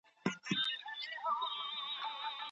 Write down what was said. ولي لېواله انسان د با استعداده کس په پرتله هدف ترلاسه کوي؟